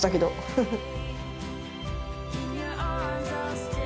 フフッ。